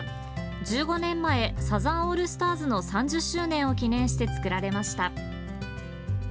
１５年前、サザンオールスターズの３０周年を記念してつくられました。